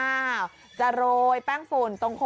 อ้าวจะโรยแป้งฝุ่น